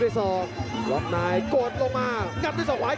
โหโหโหโหโหโหโหโหโหโหโหโหโหโหโหโหโห